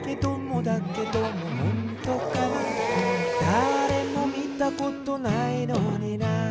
「だれもみたことないのにな」